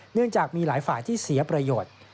เนื่องจากมีหลายฝ่ายที่เสียประโยชน์